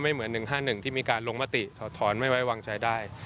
เหมือน๑๕๑ที่มีการลงมติถอดถอนไม่ไว้วางใจได้